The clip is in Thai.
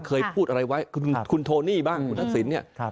เคยพูดอะไรไว้คุณโทนี่บ้างคุณทักษิณเนี่ย